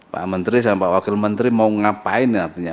pak menteri sama pak wakil menteri mau ngapain artinya